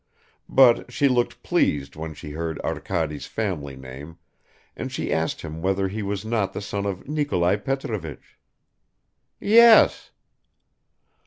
But she looked pleased when she heard Arkady's family name, and she asked him whether he was not the son of Nikolai Petrovich. "Yes!"